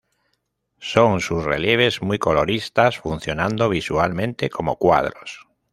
Son sus relieves muy coloristas, funcionando visualmente como cuadros.